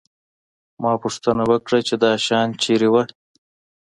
ما پوښتنه وکړه چې دا شیان چېرته وو